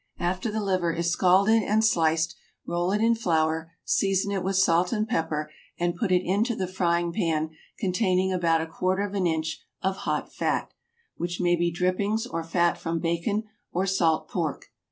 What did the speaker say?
After the liver is scalded and sliced, roll it in flour, season it with salt and pepper and put it into the frying pan containing about a quarter of an inch of hot fat, which may be drippings or fat from bacon or salt pork.